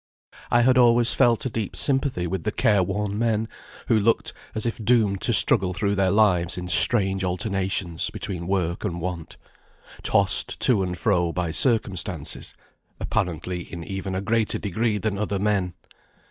I had always felt a deep sympathy with the care worn men, who looked as if doomed to struggle through their lives in strange alternations between work and want; tossed to and fro by circumstances, apparently in even a greater degree than other men.